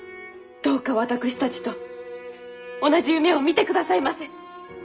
どうか私たちと同じ夢を見てくださいませ。